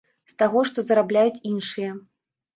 З таго, што зарабляюць іншыя.